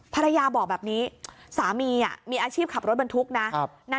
ภรรยาบอกแบบนี้สามีมีอาชีพขับรถบรรทุกนะ